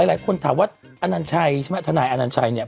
หลายคนถามว่าอานันชายใช่มั้ยธนายอานันชายเนี่ย